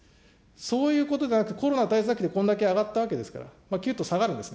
そういうことでなくてコロナ対策費でこんだけ上がったわけですから、きゅっと下がるわけですね。